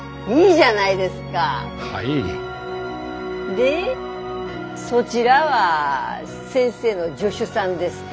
でそちらは先生の助手さんですか？